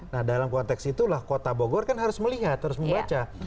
nah dalam konteks itulah kota bogor kan harus melihat harus membaca